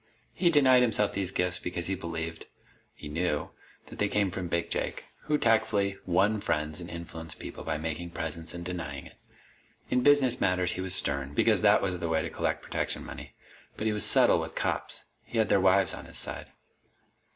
He'd denied himself these gifts because he believed he knew that they came from Big Jake, who tactfully won friends and influenced people by making presents and denying it. In business matters he was stern, because that was the way to collect protection money. But he was subtle with cops. He had their wives on his side.